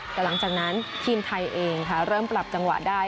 แต่หลังจากนั้นทีมไทยเองค่ะเริ่มปรับจังหวะได้